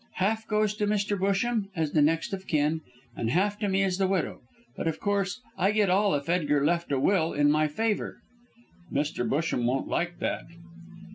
"Half goes to Mr. Busham as the next of kin, and half to me as the widow, but, of course, I get all if Edgar left a will in my favour." "Mr. Busham won't like that."